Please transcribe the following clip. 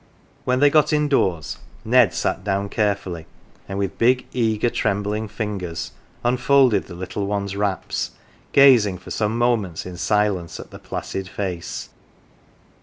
When they got in doors, Ned sat down carefully, and with big, eager, trembling fingers unfolded the little one's wraps, gazing for some moments in silence at the placid face.